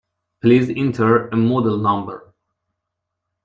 Please enter a model number.